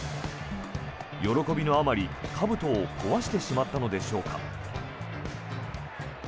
喜びのあまり、かぶとを壊してしまったのでしょうか。